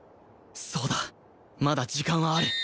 そうだまだ時間はある！